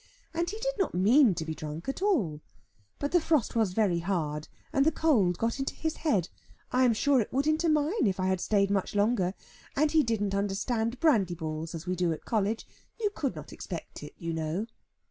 And he did not mean to be drunk at all, but the frost was very hard, and the cold got into his head. I am sure it would into mine, if I had stayed much longer; and he didn't understand brandy balls, as we do at College you could not expect it, you know."